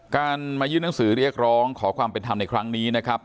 การมายื่นหนังสือเรียกร้องขอความเป็นธรรมในครั้งนี้นะครับ